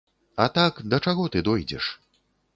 А так да чаго ты дойдзеш?!